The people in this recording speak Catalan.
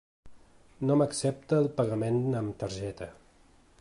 No m'accepta el pagament amb targeta.